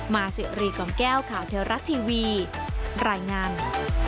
มาสิรีกล่อมแก้วข่าวเทวรัฐทีวีรายงาน